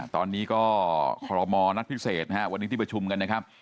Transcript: ตอนนี้ก็คอรมอนัดพิเศษนะฮะวันนี้ที่ประชุมกันนะครับ